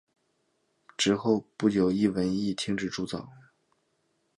之后不久一文亦停止铸造。